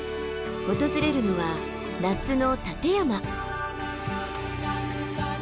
訪れるのは夏の立山。